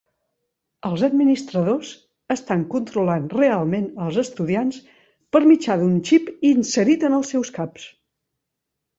Els administradors estan controlant realment els estudiants per mitjà d'un xip inserit en els seus caps.